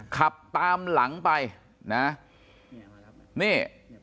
ขับตามหลังไปนะนี่